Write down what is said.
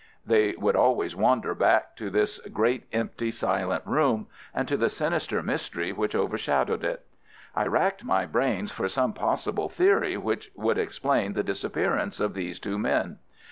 They would always wander back to this great empty silent room, and to the sinister mystery which overshadowed it. I racked my brains for some possible theory which would explain the disappearance of these two men.